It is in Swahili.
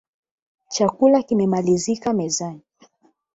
Chakula kimemalizika mezani